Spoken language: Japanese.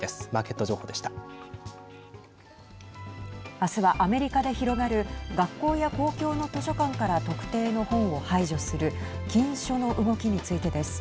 明日はアメリカで広がる学校や公共の図書館から特定の本を排除する禁書の動きについてです。